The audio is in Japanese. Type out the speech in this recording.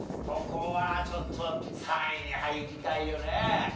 ここはちょっと３位に入りたいよね。